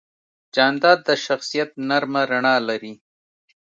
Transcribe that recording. جانداد د شخصیت نرمه رڼا لري.